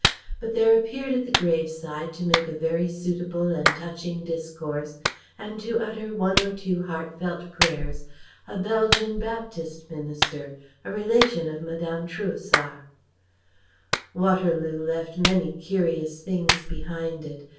But there appeared at the grave side to make a very suitable and touching discourse and to utter one or two heartfelt prayers, a Belgian Baptist minister, a relation of Mme. Trouessart. Waterloo left many curious things behind it.